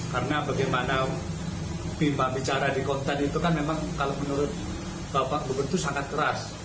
karena bagaimana bima bicara di konten itu kan memang kalau menurut bapak gubern itu sangat keras